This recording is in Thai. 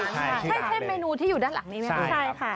ใช่ใช่เมนูที่อยู่ด้านหลังนี้ไหมครับ